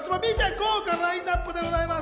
豪華ラインナップです！